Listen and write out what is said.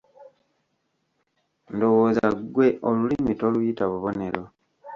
Ndowooza ggwe olulimi toluyita bubonero.